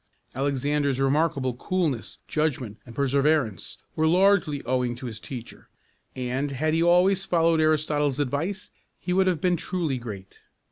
Alexander's remarkable coolness, judgment, and perseverance were largely owing to his teacher, and, had he always followed Aristotle's advice, he would have been truly great.